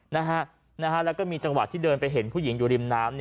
แล้วก็มีจังหวะที่เดินไปเห็นผู้หญิงอยู่ริมน้ำ